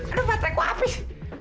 aduh patraku abis